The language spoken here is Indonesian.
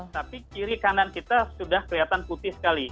tapi kiri kanan kita sudah kelihatan putih sekali